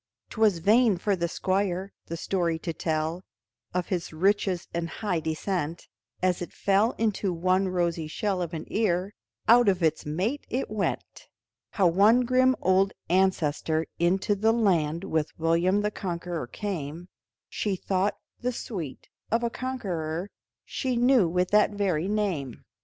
'Twas vain for the Squire the story to tell Of his riches and high descent, As it fell into one rosy shell of an ear Out of its mate it went; How one grim old ancestor into the land With William the Conqueror came, She thought, the sweet, of a conqueror She knew with that very name.